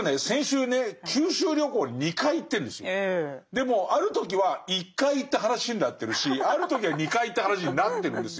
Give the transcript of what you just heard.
でもある時は１回行った話になってるしある時は２回行った話になってるんですよ。